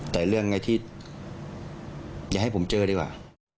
แต่เรื่องไอ้ที่อย่าให้ผมเจอดีกว่า